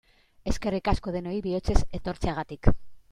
Eskerrik asko denoi bihotzez etortzeagatik!